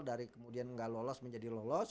dari kemudian nggak lolos menjadi lolos